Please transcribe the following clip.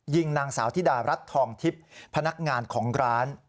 นางสาวธิดารัฐทองทิพย์พนักงานของร้าน